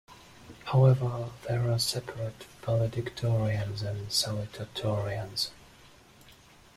However, there are separate valedictorians and salutatorians.